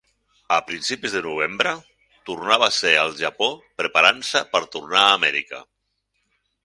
A principis de novembre, tornava a ser al Japó preparant-se per tornar a Amèrica.